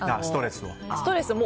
ストレスを。